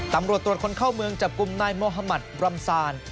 ท้ามรวดตรวจคนเข้าเมืองจับกุมนายมวโฮมัฒบรำทราณ